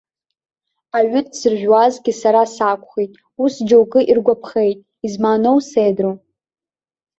Аҩы дзыржәуазгьы сара сакәхеит, ус џьоукы иргәаԥхеит, измааноу сеидру?